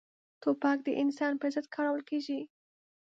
توپک د انسان پر ضد کارول کېږي.